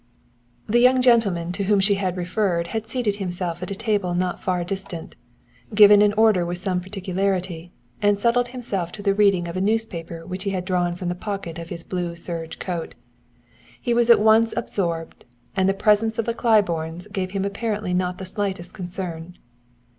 The young gentleman to whom she had referred had seated himself at a table not far distant, given an order with some particularity, and settled himself to the reading of a newspaper which he had drawn from the pocket of his blue serge coat. He was at once absorbed, and the presence of the Claibornes gave him apparently not the slightest concern.